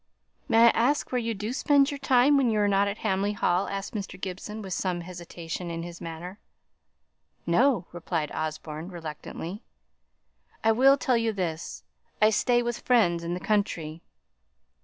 "May I ask where you do spend your time when you are not at Hamley Hall?" asked Mr. Gibson, with some hesitation in his manner. "No!" replied Osborne, reluctantly. "I will tell you this: I stay with friends in the country.